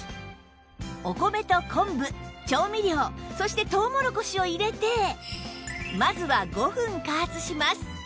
お米と昆布調味料そしてとうもろこしを入れてまずは５分加圧します